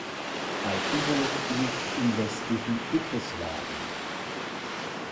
Altenhof liegt im westlichen Hückeswagen.